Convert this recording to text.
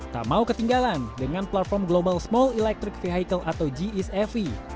tak mau ketinggalan dengan platform global small electric vehicle atau gsfv